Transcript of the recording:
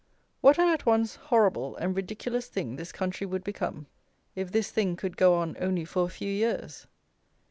What an at once horrible and ridiculous thing this country would become, if this thing could go on only for a few years!